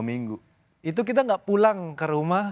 itu kita gak pulang ke rumah